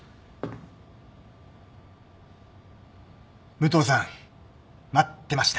武藤さん待ってました。